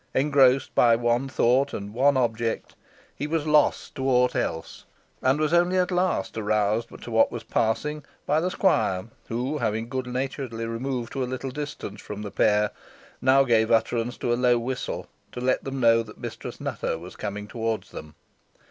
Engrossed by one thought and one object, he was lost to aught else, and was only at last aroused to what was passing by the squire, who, having good naturedly removed to a little distance from the pair, now gave utterance to a low whistle, to let them know that Mistress Nutter was coming towards them.